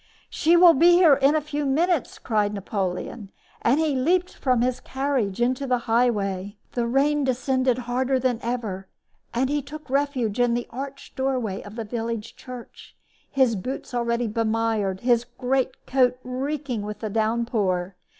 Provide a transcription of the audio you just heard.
"She will be here in a few moments!" cried Napoleon; and he leaped from his carriage into the highway. The rain descended harder than ever, and he took refuge in the arched doorway of the village church, his boots already bemired, his great coat reeking with the downpour.